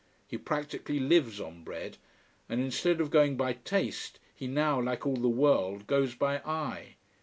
He practically lives on bread. And instead of going by taste, he now, like all the world, goes by eye.